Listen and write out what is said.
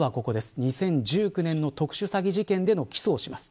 ２０１９年の特殊詐欺事件での起訴をします。